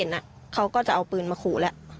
ไม่ตั้งใจครับ